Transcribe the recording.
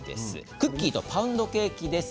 クッキーとパウンドケーキです。